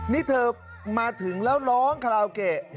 นี่เธอมาถึงแล้วร้องคาราโอเกะ